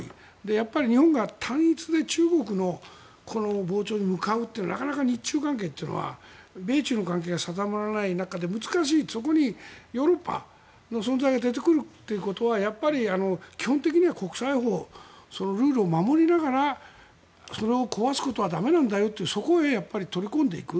やっぱり日本が単一で中国の膨張に向かうというのはなかなか日中関係というのは米中の関係が定まらない中でそこにヨーロッパの存在が出てくるということはやっぱり基本的には国際法ルールを守りながらそれを壊すことは駄目だよとそこへ取り込んでいく。